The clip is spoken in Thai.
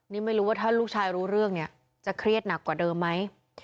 นี่ไม่รู้ว่าถ้าลูกชายรู้เรื่องเนี่ยจะเครียดหนักกว่าเดิมไหม